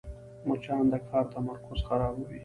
مچان د کار تمرکز خرابوي